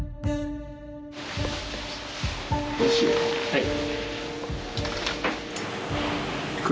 はい。